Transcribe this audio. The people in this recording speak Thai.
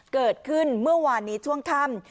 เกิดขึ้นเมื่อวานนี้ช่วงค่ำ